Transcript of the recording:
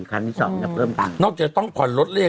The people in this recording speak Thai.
คันนี้จอดจะเพิ่มตังค์นอกจากต้องผ่อนรถเลย